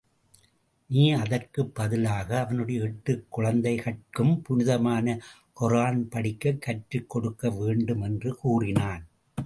நீ அதற்குப் பதிலாக அவனுடைய எட்டு குழந்தைகட்டும் புனிதமான கொரான் படிக்கக் கற்றுக் கொடுக்க வேண்டும் என்று கூறினான்.